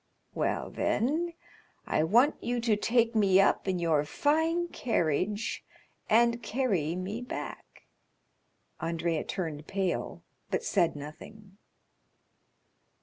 "Well, then, I want you to take me up in your fine carriage, and carry me back." Andrea turned pale, but said nothing.